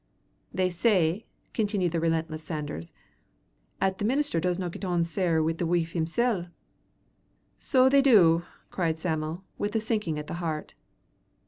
"They say," continued the relentless Sanders, "'at the minister doesna get on sair wi' the wife himsel." "So they do," cried Sam'l, with a sinking at the heart.